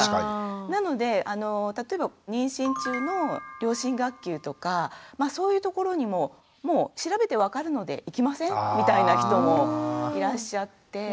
なので例えば妊娠中の両親学級とかまあそういう所にももう調べて分かるので行きませんみたいな人もいらっしゃって。